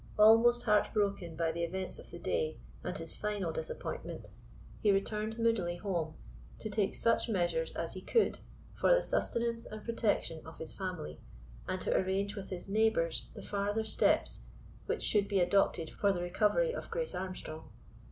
Almost heart broken by the events of the day, and his final disappointment, he returned moodily home to take such measures as he could for the sustenance and protection of his family, and to arrange with his neighbours the farther steps which should be adopted for the recovery of Grace Armstrong.